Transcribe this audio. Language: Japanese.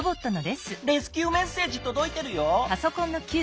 レスキューメッセージとどいてるよ。